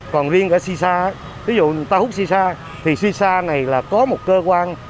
còn riêng cả shisha ví dụ người ta hút shisha thì shisha này là có một cơ quan